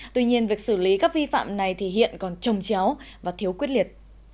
tuy nhiên việc xử lý các vi phạm này thì hiện còn trông chéo và thiếu quyết liệt